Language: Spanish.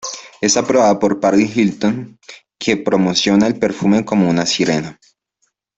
Es aprobada por Paris Hilton, que promociona el perfume como una sirena.